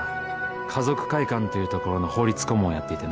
華族会館というところの法律顧問をやっていてな